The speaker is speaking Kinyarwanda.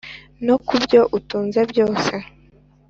no ku byo utunze byose.